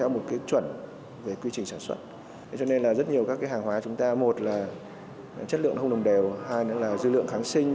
một là chất lượng không đồng đều hai nữa là dư lượng kháng sinh